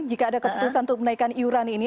jika ada keputusan untuk menaikkan iuran ini